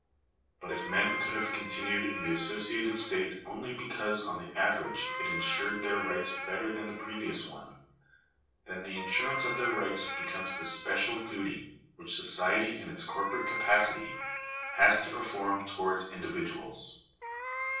But if men could have continued in the associated state only because on the, average it insured their rights better than the previous one, then the insurance of their rights becomes the special duty which society in its corporate capacity has to perform towards individuals.